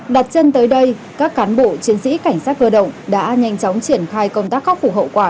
đặt chân tới đây các cán bộ chiến sĩ cảnh sát cơ động đã nhanh chóng triển khai công tác khắc phục hậu quả